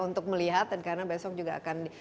untuk melihat dan karena besok juga akan